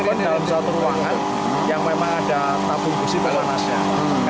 di open dalam suatu ruangan yang memang ada tabung busi beranasnya